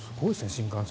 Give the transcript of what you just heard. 新幹線。